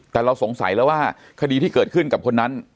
แต่เราสงสัยแล้วว่าคดีที่เกิดขึ้นกับคนนั้น